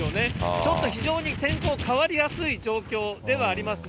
ちょっと非常に天候、変わりやすい状況ではありますね。